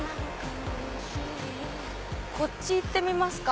こっち行ってみますか。